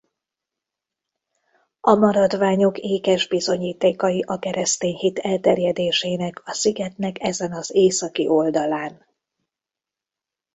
A maradványok ékes bizonyítékai a keresztény hit elterjedésének a szigetnek ezen az északi oldalán.